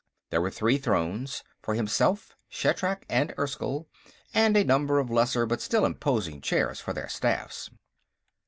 There were three thrones, for himself, Shatrak, and Erskyll, and a number of lesser but still imposing chairs for their staffs.